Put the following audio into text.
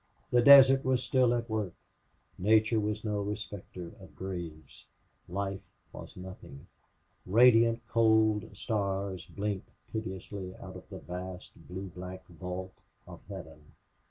The desert was still at work. Nature was no respecter of graves. Life was nothing. Radiant, cold stars blinked pitilessly out of the vast blue black vault of heaven.